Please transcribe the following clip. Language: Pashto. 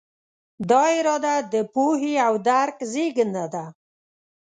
دا اراده د پوهې او درک زېږنده ده.